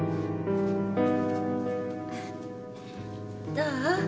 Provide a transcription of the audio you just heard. どう？